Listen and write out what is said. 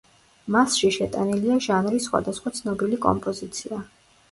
მასში შეტანილია ჟარის სხვადასხვა ცნობილი კომპოზიცია.